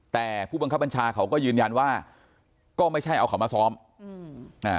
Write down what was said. แต่ผู้บังคับบัญชาเขาก็ยืนยันว่าก็ไม่ใช่เอาเขามาซ้อมอืมอ่า